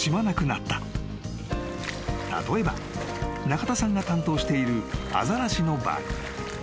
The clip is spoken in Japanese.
［例えば中田さんが担当しているアザラシの場合］